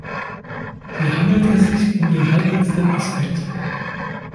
Hier handelt es sich um den heikelsten Aspekt.